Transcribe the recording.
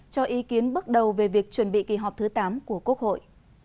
cho ý kiến bước đầu về việc chuẩn bị kỳ họp thứ tám của quốc hội